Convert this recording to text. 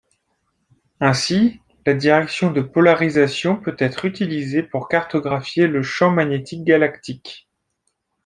Ainsi, la direction de polarisation peut être utilisée pour cartographier le champ magnétique galactique.